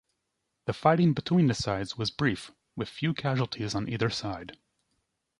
The fighting between the sides was brief, with few casualties on either side.